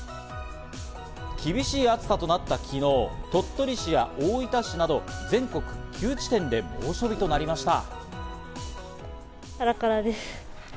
厳しい暑さとなった昨日、鳥取市や大分市など全国９地点で猛暑日となりました。